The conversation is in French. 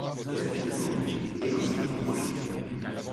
Il a finalement été évincé du projet.